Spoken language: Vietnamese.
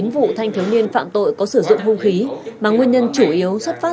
bốn vụ thanh thiếu niên phạm tội có sử dụng hung khí mà nguyên nhân chủ yếu xuất phát